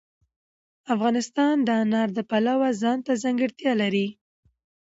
افغانستان د انار د پلوه ځانته ځانګړتیا لري.